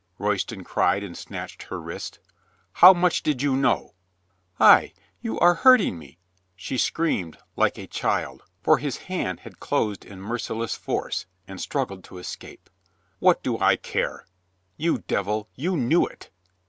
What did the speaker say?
Royston cried and snatched her wrist. "How much did you know?" "Ah! You are hurting me," she screamed like a child, for his hand had closed in merciless force, and struggled to escape. "What do I care? ... You devil, you knew it!"